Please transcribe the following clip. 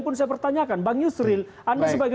pun saya pertanyakan bang yusril anda sebagai